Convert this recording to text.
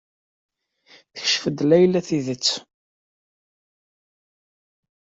Tekcef-d Layla tidet.